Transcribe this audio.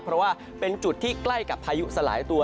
เพราะว่าเป็นจุดที่ใกล้กับพายุสลายตัว